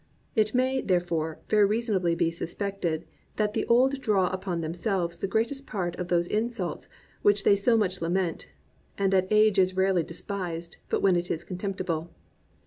... It may, therefore, very reasonably be suspected that the old draw upon themselves the greatest part of those insults which they so much lament, and that age is rarely despised but when it is contemptible.